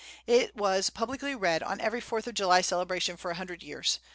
It was publicly read on every Fourth of July celebration for a hundred years.